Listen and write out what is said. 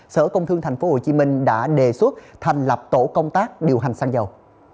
sở công thương tp hcm đã đề xuất thành lập tổ công tác điều hành xăng dầu